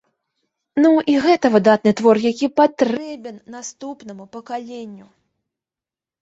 Ну, і гэта выдатны твор, які патрэбен наступнаму пакаленню.